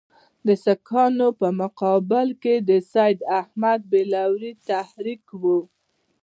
د سیکهانو په مقابل کې د سید احمدبرېلوي تحریک وو.